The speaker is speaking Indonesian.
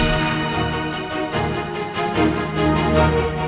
itu harganya lima puluh juta